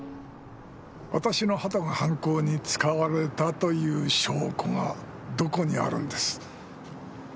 私の鳩が犯行に使われたという証拠がどこにあるんです？